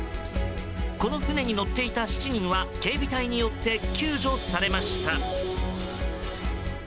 この船に乗っていた７人は警備隊によって救助されました。